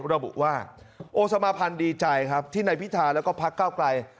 ระบุว่าโอสมาภัณฑ์ดีใจครับที่นายพิธาแล้วก็พักเก้าไกล